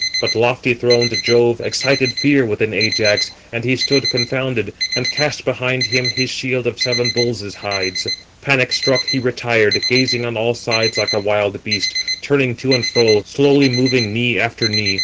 But lofty throned Jove excited fear within Ajax, and he stood confounded, and cast behind him his shield of seven bulls' hides. Panic struck he retired, gazing on all sides like a wild beast, turning to and fro, slowly moving knee after knee.